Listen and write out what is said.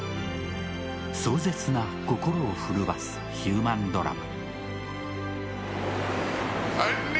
壮絶な心を震わすヒューマン・ドラマ。